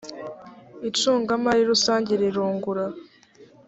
incungamari rusange rirungura.